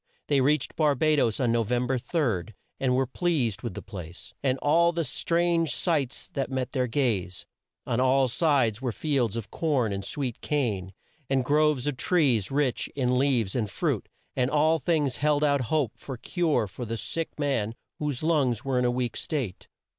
They reached Bar ba does on No vem ber 3, and were pleased with the place, and all the strange sights that met their gaze. On all sides were fields of corn and sweet cane, and groves of trees rich in leaves and fruit, and all things held out a hope of cure for the sick man, whose lungs were in a weak state.